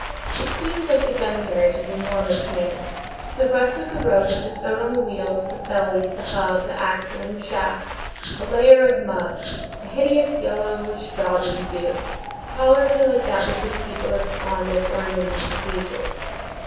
It seemed like the gun carriage of an enormous cannon. The ruts of the road had bestowed on the wheels, the fellies, the hub, the axle, and the shaft, a layer of mud, a hideous yellowish daubing hue, tolerably like that with which people are fond of ornamenting cathedrals.